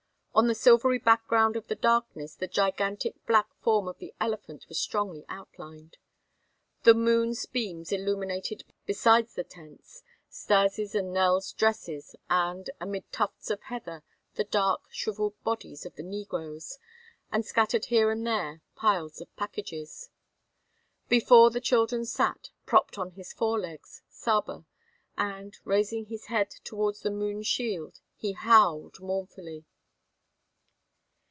On the silvery background of the darkness the gigantic black form of the elephant was strongly outlined. The moon's beams illuminated besides the tents, Stas' and Nell's dresses and, amid tufts of heather, the dark, shriveled bodies of the negroes and, scattered here and there, piles of packages. Before the children sat, propped on his fore legs, Saba, and, raising his head towards the moon's shield, he howled mournfully.